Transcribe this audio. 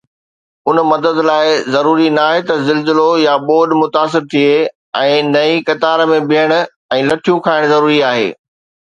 ان مدد لاءِ ضروري ناهي ته زلزلو يا ٻوڏ متاثر ٿئي ۽ نه ئي قطار ۾ بيهڻ ۽ لٺيون کائڻ ضروري آهي.